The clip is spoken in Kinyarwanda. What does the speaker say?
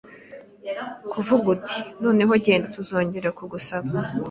Kuvuga uti 'Noneho genda ntuzongera kugusaba'